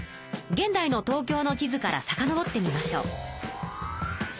現代の東京の地図からさかのぼってみましょう。